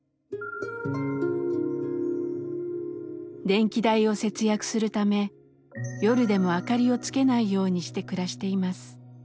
電気代を節約するため夜でも明かりをつけないようにして暮らしています。